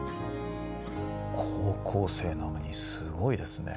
高校生なのにすごいですね。